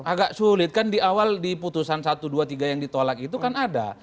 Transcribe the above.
agak sulit kan di awal di putusan satu dua tiga yang ditolak itu kan ada